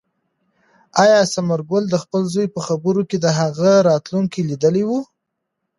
آیا ثمرګل د خپل زوی په خبرو کې د هغه راتلونکی لیدلی و؟